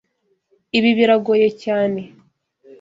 Ibi biragoye cyane.